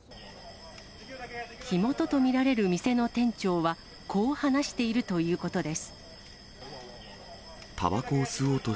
火元と見られる店の店長は、こう話しているということです。